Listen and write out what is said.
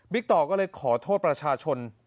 ต่อก็เลยขอโทษประชาชน